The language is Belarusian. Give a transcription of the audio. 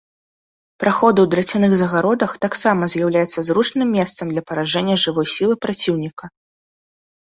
Праходы ў драцяных загародах таксама з'яўляюцца зручным месцам для паражэння жывой сілы праціўніка.